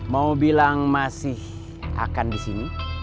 mau bilang masih akan di sini